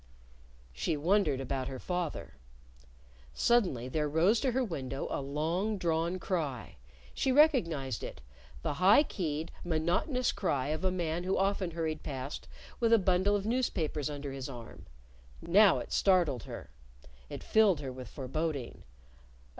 She wondered about her father. Suddenly there rose to her window a long drawn cry. She recognized it the high keyed, monotonous cry of a man who often hurried past with a bundle of newspapers under his arm. Now it startled her. It filled her with foreboding.